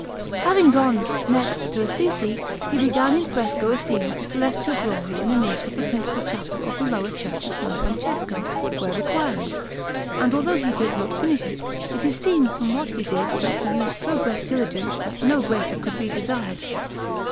Having gone, next, to Assisi, he began in fresco a scene of the Celestial Glory in the niche of the principal chapel of the lower Church of S. Francesco, where the choir is; and although he did not finish it, it is seen from what he did that he used so great diligence that no greater could be desired.